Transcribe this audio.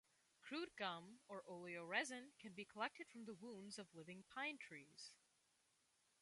Crude gum or oleoresin can be collected from the wounds of living pine trees.